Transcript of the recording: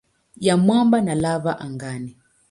ya mwamba na lava angani.